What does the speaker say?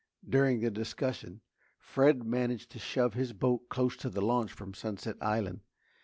During the discussion, Fred managed to shove his boat close to the launch from Sunset Island.